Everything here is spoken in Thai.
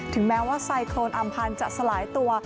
แม้ว่าไซโครนอำพันธ์จะสลายตัว